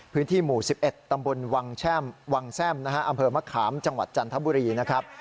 พื้นที่หมู่๑๑ตำบลวังแช่มวังแซ่มนะฮะอำเภอมะขามจังหวัดจันทบุรีนะครับ